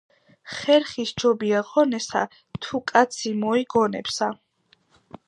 ხერხი სჯობია ღონესა, თუ კაცი მოიგონებსა.